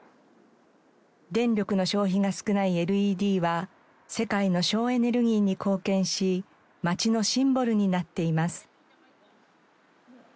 電力の消費が少ないＬＥＤは世界の省エネルギーに貢献し街のシンボルになっています。